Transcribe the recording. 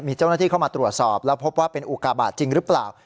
มีเจ้าหน้าที่เข้ามาตรวจสอบแล้วพบว่าเป็นอุกาบาทจริงหรือเปล่า